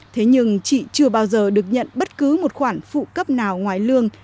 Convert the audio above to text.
thế nhưng chị chưa bao giờ được nhận bất cứ một khoản phụ cấp nào ngoài lương